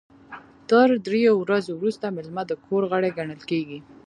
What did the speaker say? تر دریو ورځو وروسته میلمه د کور غړی ګڼل کیږي.